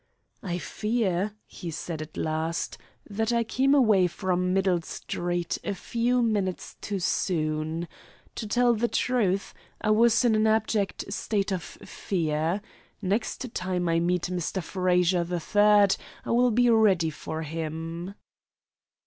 "I fear," he said at last, "that I came away from Middle Street a few minutes too soon. To tell the truth, I was in an abject state of fear. Next time I meet Mr. Frazer the Third I will be ready for him."